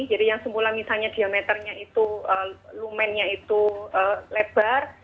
jadi yang semula misalnya diameternya itu lumennya itu lebar